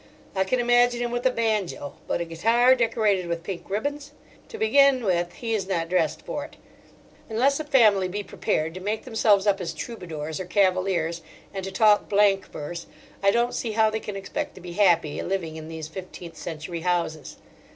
I can imagine him with a banjo—but a guitar decorated with pink ribbons! To begin with he is not dressed for it. Unless a family be prepared to make themselves up as troubadours or cavaliers and to talk blank verse, I don't see how they can expect to be happy living in these fifteenth century houses.